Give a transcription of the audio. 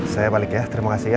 saya balik ya terima kasih ya